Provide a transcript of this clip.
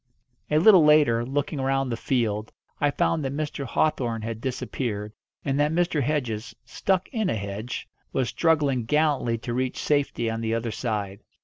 A little later, looking round the field, I found that Mr. Hawthorn had disappeared, and that Mr. Hedges, stuck in a hedge, was struggling gallantly to reach safety on the other side.